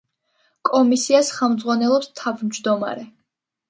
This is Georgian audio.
კომისიას ხელმძღვანელობს თავმჯდომარე.